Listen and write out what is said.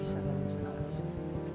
oh kamu masih kecil